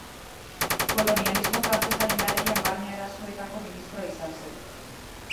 Kolonialismo frantsesaren garaian Barne Arazoetako ministroa izan zen.